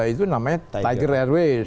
itu namanya tiger airways